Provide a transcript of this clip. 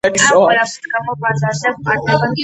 ასევე მზარდია ქვეყნის ტურისტული სექტორი.